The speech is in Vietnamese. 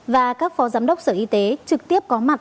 và các phó giám đốc sở y tế trực tiếp có mặt